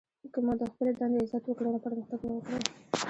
که مو د خپلي دندې عزت وکړئ! نو پرمختګ به وکړئ!